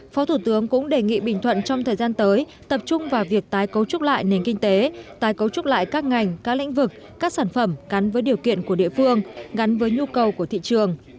phó thủ tướng cũng đề nghị bình thuận trong thời gian tới tập trung vào việc tái cấu trúc lại nền kinh tế tái cấu trúc lại các ngành các lĩnh vực các sản phẩm gắn với điều kiện của địa phương gắn với nhu cầu của thị trường